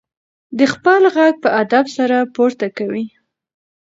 دی خپل غږ په ادب سره پورته کوي.